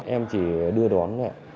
em chỉ đưa đoán